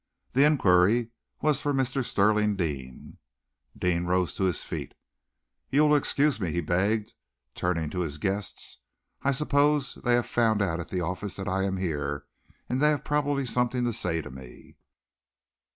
"The inquiry was for Mr. Stirling Deane." Deane rose to his feet. "You will excuse me?" he begged, turning to his guests. "I suppose they have found out at the office that I am here, and they have probably something to say to me."